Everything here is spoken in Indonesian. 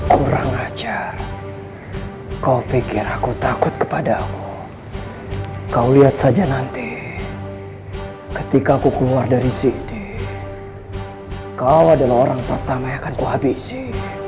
kurang ajar kau pikir aku takut kepada allah kau lihat saja nanti ketika aku keluar dari sini kau adalah orang pertama yang akan kuhabisi